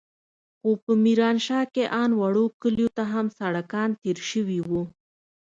خو په ميرانشاه کښې ان وړو کليو ته هم سړکان تېر سوي وو.